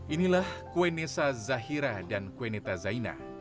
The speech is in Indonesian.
inilah kuenesa zahira dan kueneta zaina